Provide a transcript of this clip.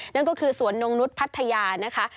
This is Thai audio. นั่นก็คือสวนนงนุษย์พัทยานะคะ